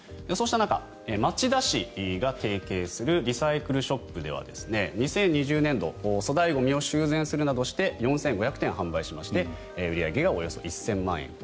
そうした中、町田市が提携するリサイクルショップでは２０２０年度粗大ゴミを修繕するなどして４５００点販売しまして売り上げがおよそ１０００万円。